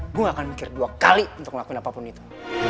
aku tidak akan berpikir dua kali untuk melakukan apapun itu